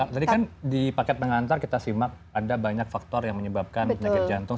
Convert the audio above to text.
tadi kan di paket pengantar kita simak ada banyak faktor yang menyebabkan penyakit jantung